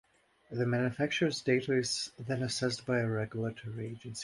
The manufacturer's data is then assessed by a regulatory agency.